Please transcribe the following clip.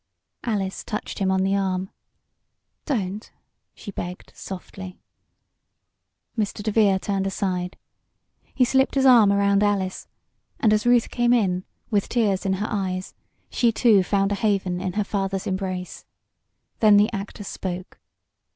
Alice touched him on the arm. "Don't!" she begged, softly. Mr. DeVere turned aside. He slipped his arm around Alice, and, as Ruth came in, with tears in her eyes, she, too, found a haven in her father's embrace. Then the actor spoke.